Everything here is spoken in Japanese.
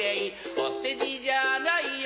お世辞じゃないよ